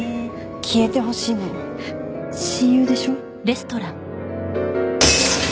消えてほしいの親友でしょ？